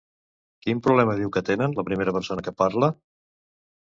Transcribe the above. Quin problema diu que tenen la primera persona que parla?